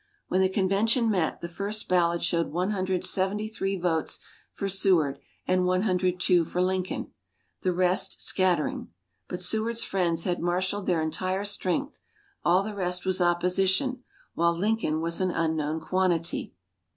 When the convention met, the first ballot showed one hundred seventy three votes for Seward and one hundred two for Lincoln, the rest, scattering. But Seward's friends had marshaled their entire strength all the rest was opposition while Lincoln was an unknown quantity.